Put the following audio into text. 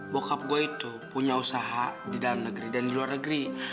bokap gue itu punya usaha di dalam negeri dan di luar negeri